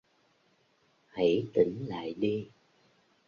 Hãy tỉnh lại đi